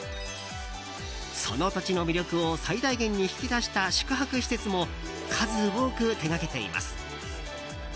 その土地の魅力を最大限に引き出した宿泊施設も数多く手がけています。